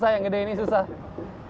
saya yang gede ini susah